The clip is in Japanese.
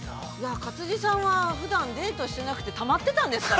勝地さんはふだんデートしてなくてたまってたんですかね。